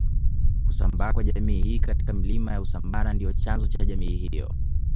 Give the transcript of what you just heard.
kusambaa kwa jamii hii katika milima ya usambara ndio chanzo cha jamii hiyo